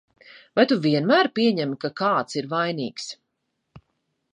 Vai tu vienmēr pieņem, ka kāds ir vainīgs?